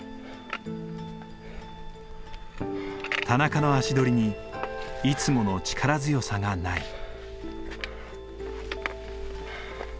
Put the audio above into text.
田中の足取りにいつもの力強さがない。